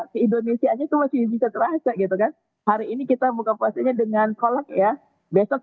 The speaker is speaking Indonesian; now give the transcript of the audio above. ke indonesia itu masih bisa terasa gitu kan hari ini kita buka puasanya dengan kolak ya besok